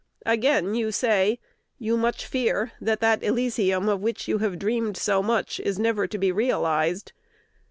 Again you say, you much fear that that Elysium of which you have dreamed so much is never to be realized.